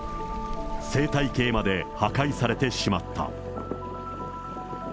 生態系まで破壊されてしまった。